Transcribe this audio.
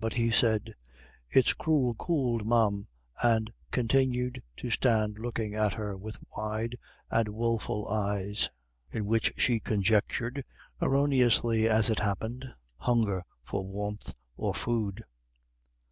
But he said, "It's cruel could, ma'am," and continued to stand looking at her with wide and woful eyes, in which she conjectured erroneously, as it happened hunger for warmth or food.